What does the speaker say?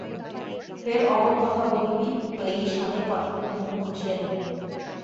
ফের অমন কথা বলিবি তো এই শানের পাথরে তোর মুখ ঘষিয়া দিব।